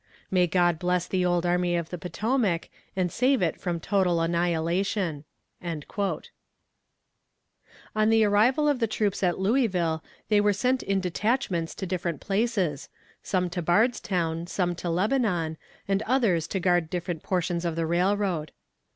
May God bless the old Army of the Potomac, and save it from total annihilation." On the arrival of the troops at Louisville, they were sent in detachments to different places some to Bardstown, some to Lebanon, and others to guard different portions of the railroad.